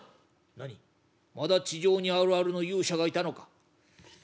「何まだ地上にあるあるの勇者がいたのか」。